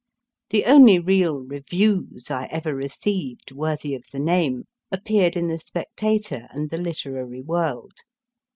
The only real reviews 1 ever received worthy of the name appeared in the Spectator and the Literary World.